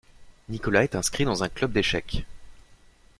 Nicolas est inscrit dans un club d’échecs.